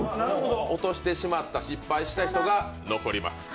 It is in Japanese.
落としてしまった、失敗してしまった人が残ります。